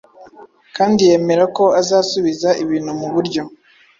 kandi yemera ko azasubiza ibintu mu buryo